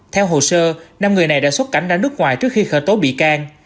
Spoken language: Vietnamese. theo hồ sơ năm người này đã xuất cảnh ra nước ngoài trước khi khởi tố bị can